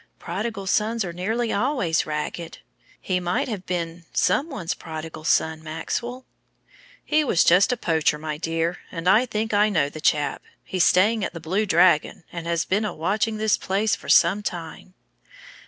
"Prodigal sons are nearly always ragged. He might have been some one's prodigal son, Maxwell." "He was just a poacher, my dear, and I think I know the chap. He's staying at the Blue Dragon, and has been a watching this place for some time."